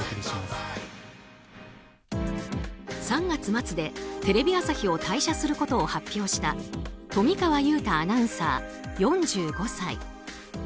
３月末でテレビ朝日を退社することを発表した富川悠太アナウンサー、４５歳。